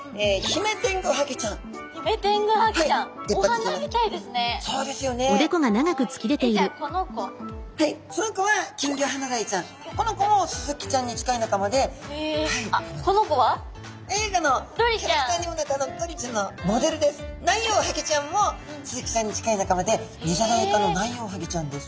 ナンヨウハギちゃんもスズキちゃんに近い仲間でニザダイ科のナンヨウハギちゃんです。